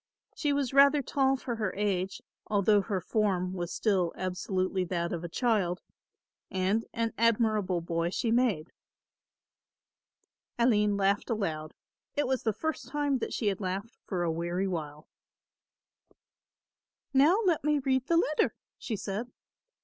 She was rather tall for her age, although her form was still absolutely that of a child, and an admirable boy she made. Aline laughed aloud; it was the first time that she had laughed for a weary while. "Now let me read the letter," she said.